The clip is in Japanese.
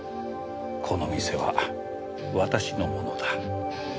この店は私のものだ。